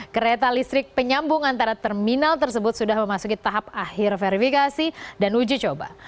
kereta listrik penyambung antara terminal tersebut sudah memasuki tahap akhir verifikasi dan uji coba